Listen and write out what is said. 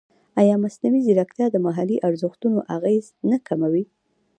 ایا مصنوعي ځیرکتیا د محلي ارزښتونو اغېز نه کموي؟